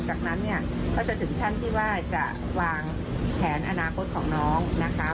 จากนั้นก็จะถึงแถ่นที่จะวางแผนอนาคตของน้อง